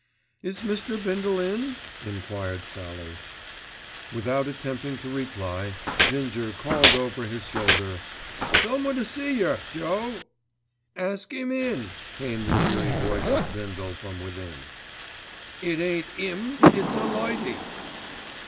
"Is Mr. Bindle in?" enquired Sallie. Without attempting to reply Ginger called over his shoulder, "Someone to see yer, Joe." "Ask 'im in," came the cheery voice of Bindle from within. "It ain't 'im, it's a lady."